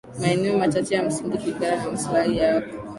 maeneo machache ya msingi kulingana na maslahi yako